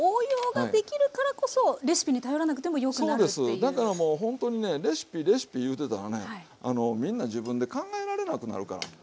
だからもうほんとにねレシピレシピ言うてたらねみんな自分で考えられなくなるから。